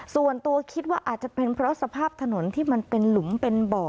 ส่วนตัวคิดว่าอาจจะเป็นเพราะสภาพถนนที่มันเป็นหลุมเป็นบ่อ